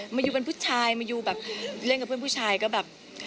มายูเป็นผู้ชายมายูแบบเล่นกับเพื่อนผู้ชายก็แบบ